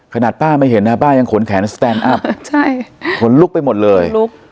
ขนาดป้าไม่เห็นนะป้ายังขนแขนสแตนอัพใช่ขนลุกไปหมดเลยลุก